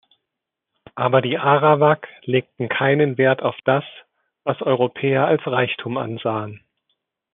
Aber die Arawak legten keinen Wert auf das, was Europäer als Reichtum ansahen.